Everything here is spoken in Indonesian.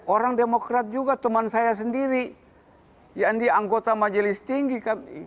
orang demokrat juga teman saya sendiri yang dianggota majelis tinggi kan